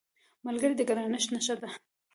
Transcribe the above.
ملګری د ګرانښت نښه ده